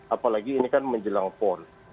apalagi ini kan menjelang pon